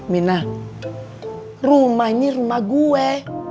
mina rumah ini rumah gue